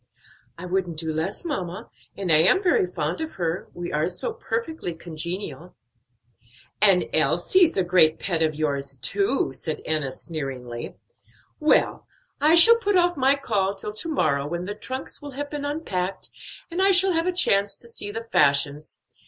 "I wouldn't do less, mamma, and I am very fond of her; we are so perfectly congenial." "And Elsie's a great pet of yours, too," said Enna sneeringly. "Well, I shall put off my call till to morrow, when the trunks will have been unpacked, and I shall have a chance to see the fashions.